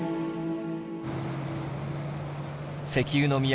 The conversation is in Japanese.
「石油の都」